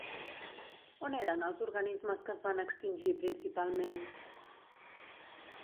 On eren els organismes que es van extingir principalment?